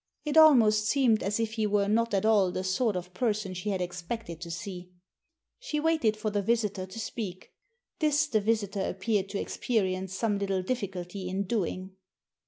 It almost seemed as if he were not at all the sort of person she had expected to see. She waited for the visitor to speak. This the visitor appeared to experience some little difficulty in doing.